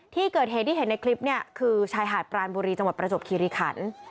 ที่เกิดเหตุที่เห็นในคลิปเนี่ยคือชายหาดปรานบุรีจังหวัดประจบคิริขัน